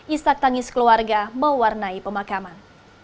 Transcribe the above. isak tangis keluarga mewarnai pemakaman